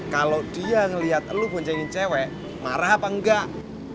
kalau dia ngelihat lo boncengin cewek marah apa enggak